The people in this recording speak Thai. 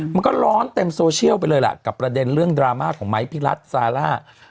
มันก็ร้อนเต็มโซเชียลไปเลยล่ะกับประเด็นเรื่องดราม่าของไม้พี่รัฐซาร่า